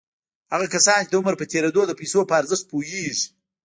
هغه کسان چې د عمر په تېرېدو د پيسو په ارزښت پوهېږي.